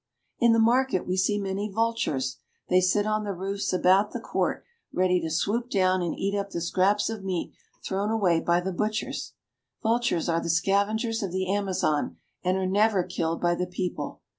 In the market we see many vultures. They sit on the roofs about the court, ready to swoop down and eat up the scraps of meat thrown away by the butchers. Vultures are the scavengers of the Amazon, and are never killed by the people.